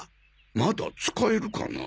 まだ使えるかな。